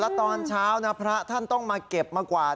แล้วตอนเช้านะพระท่านต้องมาเก็บมากวาด